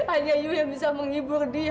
hanya ibu yang bisa menghibur dia